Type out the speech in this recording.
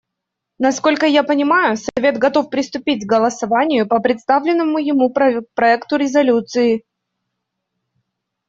Насколько я понимаю, Совет готов приступить к голосованию по представленному ему проекту резолюции.